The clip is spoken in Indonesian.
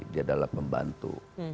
dia adalah pembantu